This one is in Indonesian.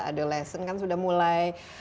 adolesen kan sudah mulai